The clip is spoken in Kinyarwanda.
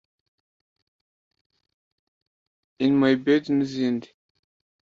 ‘In My Bed’ n’izindi